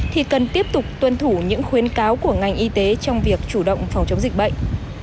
thì cần tiếp tục tuân thủ những khuyến cáo của ngành y tế trong việc chủ động phòng chống dịch bệnh